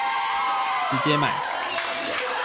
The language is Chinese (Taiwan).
直接買